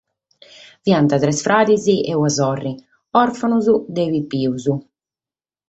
Fiant tres frades e una sorre, òrfanos dae pipios.